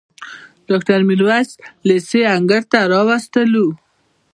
ډاکټر میرویس لېسې انګړ ته وروستلو.